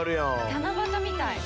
七夕みたい。